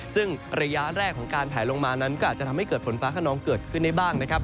ซึ่งระยะแรกของการแผลลงมานั้นก็อาจจะทำให้เกิดฝนฟ้าขนองเกิดขึ้นได้บ้างนะครับ